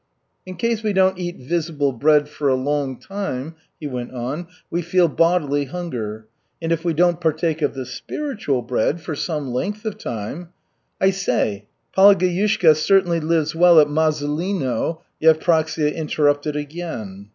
"In case we don't eat visible bread for a long time," he went on, "we feel bodily hunger; and if we don't partake of the spiritual bread for some length of time " "I say, Palageyushka certainly lives well at Mazulino," Yevpraksia interrupted again.